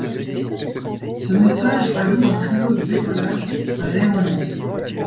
Ce message alloue un créneau de décollage à l'aéronef.